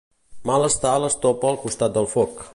Mal està l'estopa al costat del foc.